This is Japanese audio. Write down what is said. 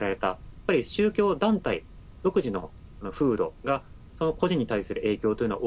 やっぱり宗教団体独自の風土が、その個人に対する影響というのは